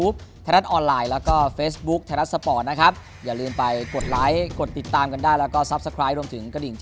เพราะฉะนั้นเราต้องเป็นเสือดิ